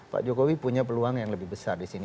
pak jokowi punya peluang yang lebih besar disini